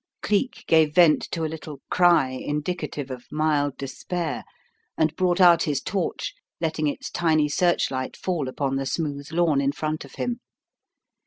Cleek gave vent to a little cry indicative of mild despair and brought out his torch, letting its tiny searchlight fall upon the smooth lawn in front of him.